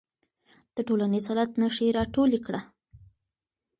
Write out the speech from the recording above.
د ټولنیز حالت نښې راټولې کړه.